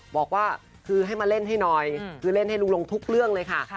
บอกว่าคือให้มาเล่นให้หน่อยคือเล่นให้ลุงลงทุกเรื่องเลยค่ะ